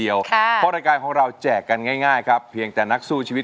ยุคทุ่มสู้ชีวิต